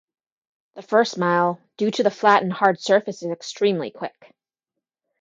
The first mile, due to the flat and hard surface is extremely quick.